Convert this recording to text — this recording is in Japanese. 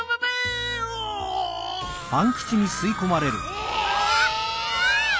うわ！